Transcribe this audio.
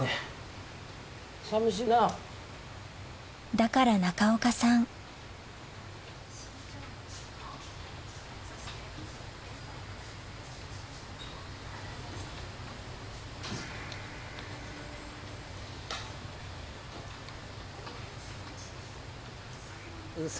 だから中岡さんウソ。